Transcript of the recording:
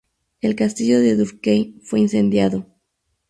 El castillo de Durkheim fue incendiado.